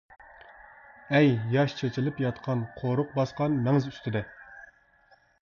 ئەي، ياش چېچىلىپ ياتقان قورۇق باسقان مەڭز ئۈستىدە!